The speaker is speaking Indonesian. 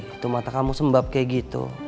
itu mata kamu sembab kayak gitu